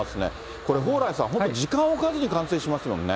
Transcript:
これ蓬莱さん、本当、時間置かずに冠水しますものね。